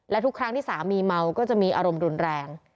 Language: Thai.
และทุกครั้งที่สามีเมาก็จะมีอารมณ์รุนแรง